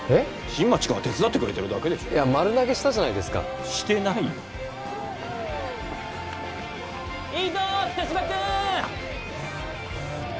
新町君は手伝ってくれてるだけでしょいや丸投げしたじゃないですかしてないよいいぞ北芝君！